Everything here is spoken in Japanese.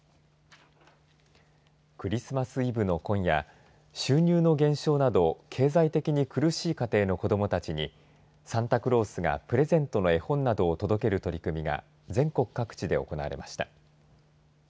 クリスマスイブの今夜収入の減少など経済的に苦しい家庭の子どもたちにサンタクロースがプレゼントの絵本などを届ける取り組みが全国各地で行われました。